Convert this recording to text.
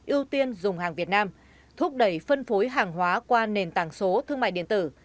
ưu tiên dùng hàng việt nam thúc đẩy phân phối hàng hóa qua nền tảng số thương mại điện tử